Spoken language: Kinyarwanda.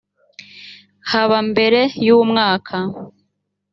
haba mbere y umwaka